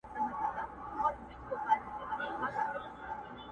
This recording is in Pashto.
په قسمت کي یې تغییر نه وي لیکلی؛